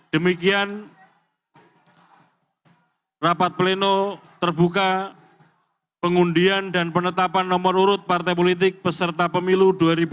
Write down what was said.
demikian rapat pleno terbuka pengundian dan penetapan nomor urut partai politik peserta pemilu dua ribu dua puluh